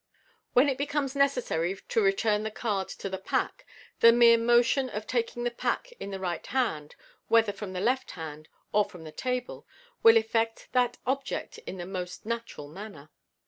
When it becomes necessary to return the card to the pack, the mere motion of taking the pack in the right hand, whether from the left hand or from the table, will effect that object in the most natural manner.